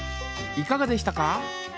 いかがでしたか？